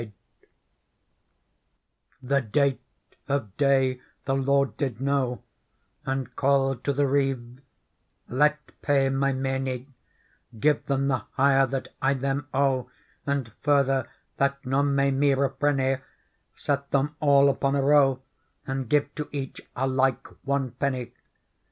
Digitized by Google 84 PEARL " The date of day the lord did know And called to the Reeve :* Let pay my meinie : Give them the hire that I them owe ; And further, that none may me repreny,^ Set them all upon a row And give to each alike one penny.